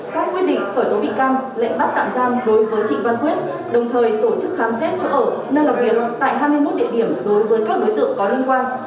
các quyết định khởi tố bị can lệnh bắt tạm giam đối với trịnh văn quyết đồng thời tổ chức khám xét chỗ ở nơi làm việc tại hai mươi một địa điểm đối với các đối tượng có liên quan